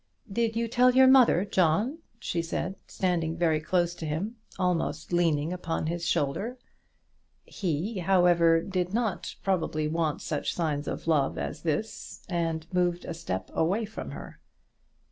"Did you tell your mother, John?" she said, standing very close to him, almost leaning upon his shoulder. He, however, did not probably want such signs of love as this, and moved a step away from her.